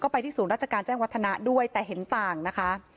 ไปที่ศูนย์ราชการแจ้งวัฒนะด้วยแต่เห็นต่างนะคะ